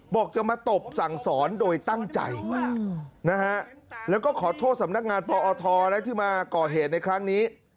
บอกจะมาตบสั่งสอนโดยตั้งใจนะฮะแล้วก็ขอโทษสำนักงานปอทที่มาก่อเหตุในครั้งนี้